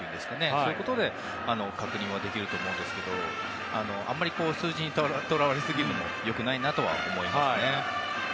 そういうことで確認できると思うんですけどあまり数字にとらわれすぎるのも良くないなとは思います。